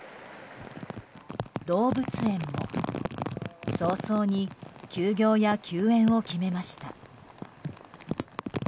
動物園も早々に休業や休園を決めました。